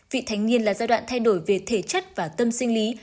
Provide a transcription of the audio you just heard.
vị thánh niên là giai đoạn thay đổi về thể chất và tâm sinh lý